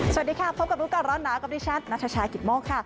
สวัสดีค่ะพบกับรู้ก่อนร้อนหนาวกับดิฉันนัทชายกิตโมกค่ะ